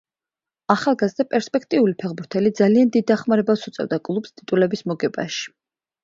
ახალგაზრდა პერსპექტიული ფეხბურთელი ძალიან დიდ დახმარებას უწევდა კლუბს ტიტულების მოგებაში.